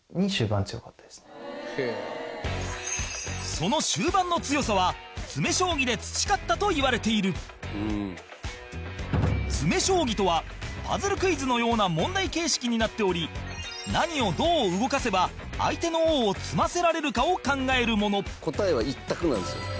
その終盤の強さは詰将棋で培ったといわれている詰将棋とはパズルクイズのような問題形式になっており何をどう動かせば、相手の王を詰ませられるかを考えるもの高橋：答えは１択なんですよ。